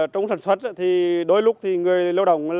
trong sản xuất đôi lúc người lưu đồng